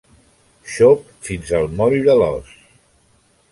Xop fins al moll de l'os.